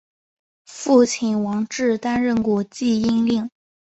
父亲王志担任过济阴令。